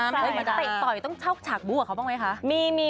ใช่ต่อยต้องเช่าฉากดูกับเขาบ้างไหมคะ